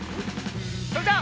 それじゃあ。